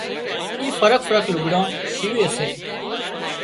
اي فرق فرق لگھڙان شيوي سي